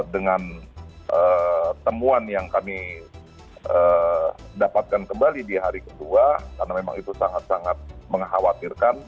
dengan temuan yang kami dapatkan kembali di hari kedua karena memang itu sangat sangat mengkhawatirkan